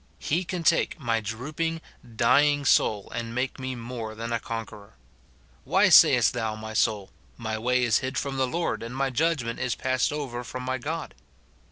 He can take my drooping, dying soul and make me more than a conqueror, f ' Why say est thou, my soul, My ■way is hid from the Lord, and my judgment is passed over from my God